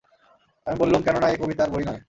আমি বললুম, কেননা এ কবিতার বই নয়।